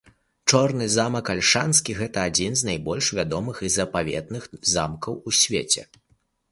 Чорны замак Альшанскі - гэта адзін з найбольш вядомых і запаветных замкаў у свеце.